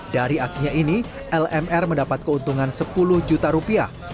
dari aksinya ini lmr mendapat keuntungan sepuluh juta rupiah